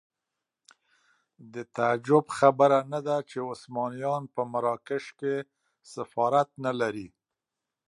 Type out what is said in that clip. د تعجب خبره نه ده چې عثمانیان په مراکش کې سفارت نه لري.